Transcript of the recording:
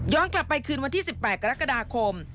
กลับไปคืนวันที่๑๘กรกฎาคม